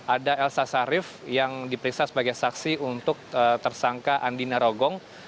ada elsa sharif yang diperiksa sebagai saksi untuk tersangka andina rogong